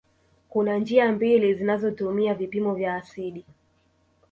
Kuna njia mbili zinazotumia vipimo vya asidi